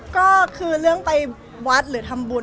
ก็คือเรื่องไปวัดหรือทำบุญ